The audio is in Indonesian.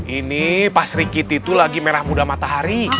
ini pasri kitty tuh lagi merah muda matahari